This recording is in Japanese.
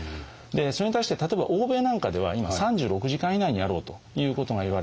それに対して例えば欧米なんかでは今３６時間以内にやろうということがいわれています。